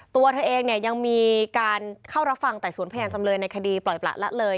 ตัวเธอเองเนี่ยยังมีการเข้ารับฟังไต่สวนพยานจำเลยในคดีปล่อยประละเลย